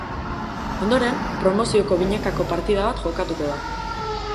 Ondoren, promozioko binakako partida bat jokatuko da.